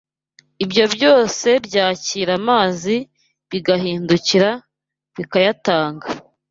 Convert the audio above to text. ibyo byose byakira amazi bigahindukira bikayatanga.